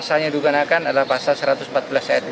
pasal yang digunakan adalah pasal satu ratus empat belas e dua